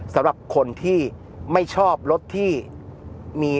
สำหรับคนที่ไม่ชอบรถที่มี